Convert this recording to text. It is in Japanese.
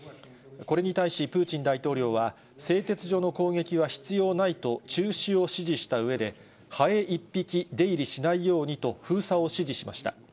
これに対しプーチン大統領は、製鉄所の攻撃は必要ないと中止を指示したうえで、ハエ一匹出入りしないようにと、封鎖を指示しました。